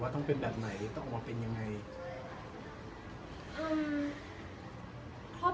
ไม่อยากที่จะคาดหวังเอามาทำให้เป็นปัญหาอะไรอีก